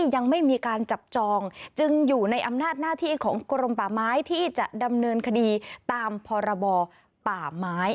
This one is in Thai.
ยังอยู่ในอำนาจหน้าที่ของกรมป่าไม้ที่จะดำเนินคดีตามพรบป่าไม้